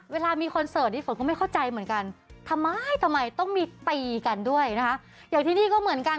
เวลามีคนเสิร์ตเพราะผมคิดว่าทำไมต้องมีตีกันแบบนี้เหมือนกัน